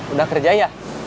udah kerja ya